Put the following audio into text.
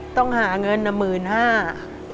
ต้องหาเงินนะ๑๕๐๐บาท